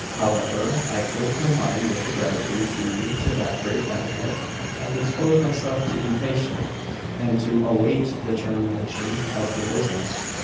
However, I clothed my mind with the gratitude due to that great benefit, and disposed myself to be patient and to await the termination of the business.